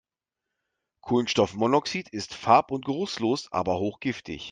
Kohlenstoffmonoxid ist farb- und geruchlos, aber hochgiftig.